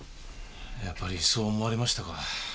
やっぱりそう思われましたか。